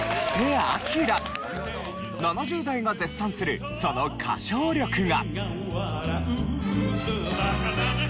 ７０代が絶賛するその歌唱力が。